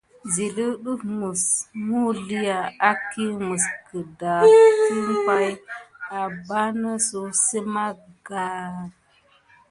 Zilu ɗef ɗe mulial iki mis kedakisi pay apanisou si magrani.